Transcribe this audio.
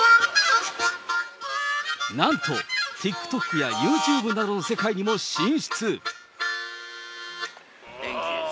なんと、ＴｉｋＴｏｋやユーチューブなどの世界にも進出。